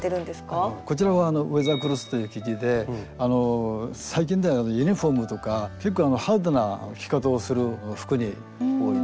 こちらはウェザークロスという生地で最近ではユニフォームとか結構ハードな着方をする服に多いです。